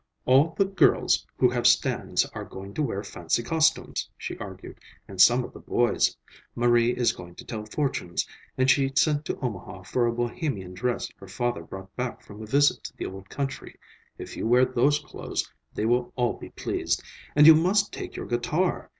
"All the girls who have stands are going to wear fancy costumes," she argued, "and some of the boys. Marie is going to tell fortunes, and she sent to Omaha for a Bohemian dress her father brought back from a visit to the old country. If you wear those clothes, they will all be pleased. And you must take your guitar.